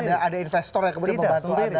atau ada investor yang kemudian membantu anda dengan